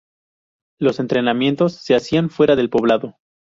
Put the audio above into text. Los enterramientos se hacían fuera del poblado.